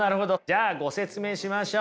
じゃあご説明しましょう。